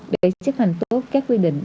để chấp hành tốt các quy định